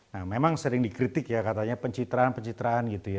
nah memang sering dikritik ya katanya pencitraan pencitraan gitu ya